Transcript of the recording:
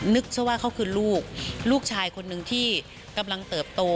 ซะว่าเขาคือลูกลูกชายคนหนึ่งที่กำลังเติบโต